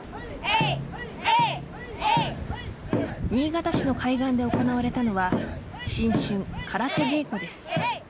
新潟市の海岸で行われたのは新春空手稽古です。